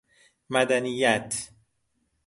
مدنیت